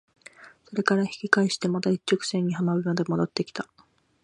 それから引き返してまた一直線に浜辺まで戻って来た。